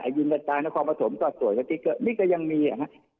อายุเงินกระจายในความผสมก็สวยสติกเกอร์นี่ก็ยังมีนะฮะ